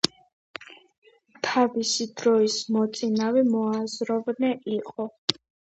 თავისი დროის მოწინავე მოაზროვნე იყო.